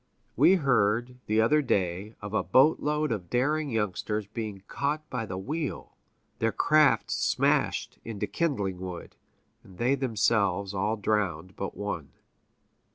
We heard, the other day, of a boatload of daring youngsters being caught by the wheel, their craft smashed into kindling wood, and they themselves all drowned but one.